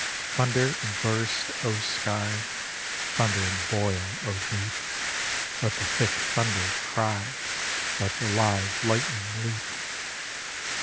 Thunder and burst, O Sky; Thunder and boil, O Deep; Let the thick thunder cry; Let the live lightning leap!